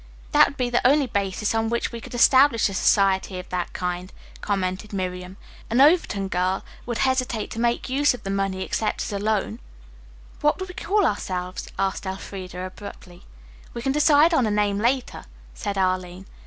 "That would be the only basis on which we could establish a society of that kind," commented Miriam. "An Overton girl would hesitate to make use of the money except as a loan." "What would we call ourselves?" asked Elfreda abruptly. "We can decide on a name later," said Arline.